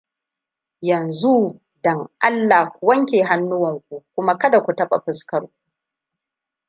Yanzu, don Allah - ku wanke hannuwanku kuma kada ku taɓa fuskarku!